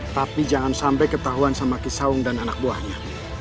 tapi jangan sampai ketahuan sama kisaung dan anak buahnya